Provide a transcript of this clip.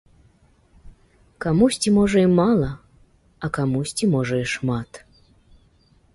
Камусьці можа і мала, а камусьці можа і шмат.